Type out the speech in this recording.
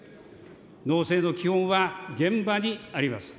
農政の基本は現場にあります。